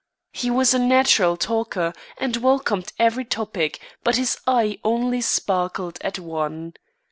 He was a natural talker and welcomed every topic, but his eye only sparkled at one.